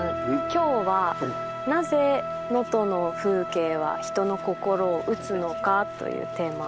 今日は「なぜ能登の風景は人の心を打つのか？」というテーマ。